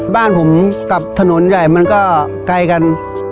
บ้านผมกับถนนใหญ่มันก็ไกลกัน